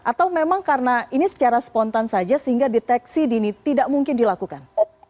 atau memang karena ini secara spontan saja sehingga deteksi dini tidak mungkin dilakukan